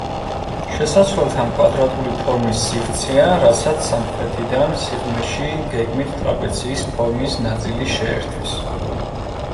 შესასვლელთან კვადრატული ფორმის სივრცეა, რასაც სამხრეთიდან, სიღრმეში, გეგმით ტრაპეციის ფორმის ნაწილი შეერთვის.